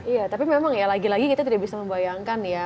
iya tapi memang ya lagi lagi kita tidak bisa membayangkan ya